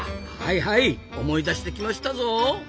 はいはい思い出してきましたぞ！